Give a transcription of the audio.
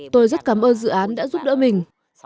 tôi rất cảm ơn dự án đã giúp đỡ mình